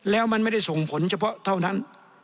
แล้วมันไม่ได้ส่งผลเฉพาะเท่านั้น